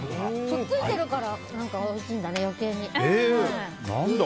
くっついてるからおいしいんだね、余計に。